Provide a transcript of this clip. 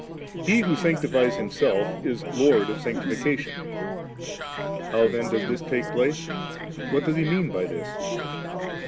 He who sanctifies Himself is Lord of sanctification. How then does this take place? \Vhat does He mean but this?